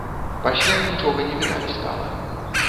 Пасля нічога не відаць стала.